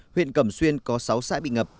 huyện cẩm xuyên có sáu xã bị ngập